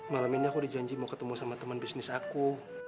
malam ini aku udah janji mau ketemu sama temen bisnis aku